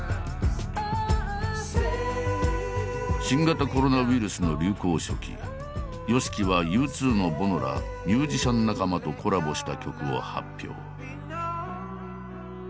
新型コロナウイルスの流行初期ＹＯＳＨＩＫＩはＵ２のボノらミュージシャン仲間とコラボした曲を発表。